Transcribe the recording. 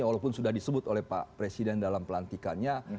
walaupun sudah disebut oleh pak presiden dalam pelantikannya